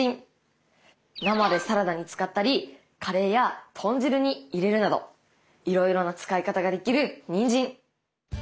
生でサラダに使ったりカレーや豚汁に入れるなどいろいろな使い方ができるにんじん。